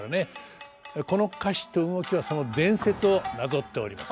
この歌詞と動きはその伝説をなぞっております。